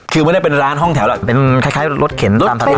คือมันน่ะเป็นร้านห้องแถวล่ะเป็นคล้ายท์คร้ายรถเขียนตามสาธารณ์